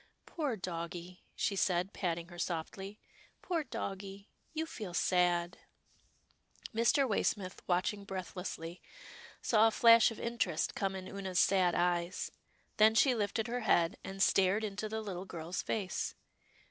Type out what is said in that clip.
" Poor doggie," she said, patting her softly, " poor doggie — you feel sad." Mr. Waysmith, watching breathlessly, saw a 274 'TILDA JANE'S ORPHANS flash of interest come in Oonah's sad eyes. Then she lifted her head, and stared into the Httle girl's face.